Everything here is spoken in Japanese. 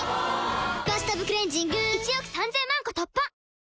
「バスタブクレンジング」１億３０００万個突破！